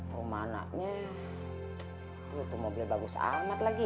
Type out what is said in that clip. rumana tuh mobil bagus amat lagi ya